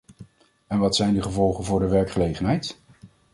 En wat zijn de gevolgen voor de werkgelegenheid?